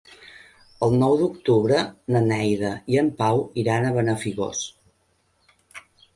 El nou d'octubre na Neida i en Pau iran a Benafigos.